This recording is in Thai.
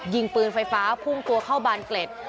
ยิงปืนไฟฟ้าพุ่งตัวเข้าบานเกล็ด